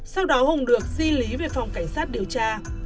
sau đó hùng được di lý về phòng cảnh sát điều tra